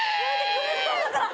苦しそうだから！